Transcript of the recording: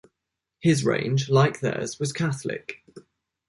His range, like theirs, was Catholic.